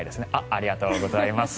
ありがとうございます。